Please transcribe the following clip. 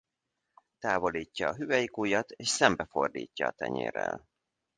Távolítja a hüvelykujjat és szembe fordítja a tenyérrel.